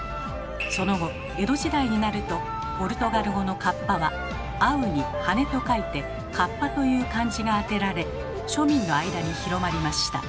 その後江戸時代になるとポルトガル語の「かっぱ」は「合う」に「羽」と書いて「合羽」という漢字が当てられ庶民の間に広まりました。